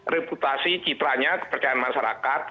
reputasi citranya kepercayaan masyarakat